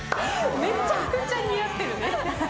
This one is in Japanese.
めちゃくちゃ似合ってる。